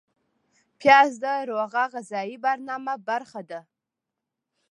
پیاز د روغه غذایي برنامه برخه ده